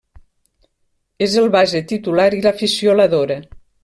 És el base titular i l'afició l'adora.